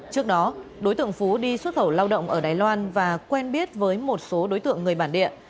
trước đó đối tượng phú đi xuất khẩu lao động ở đài loan và quen biết với một số đối tượng người bản địa